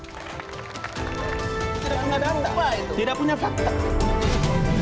tidak punya dampak tidak punya fakta